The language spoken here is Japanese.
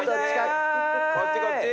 こっちこっち。